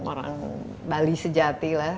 orang bali sejati lah